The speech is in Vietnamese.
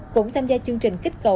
cũng tham gia chương trình kích cầu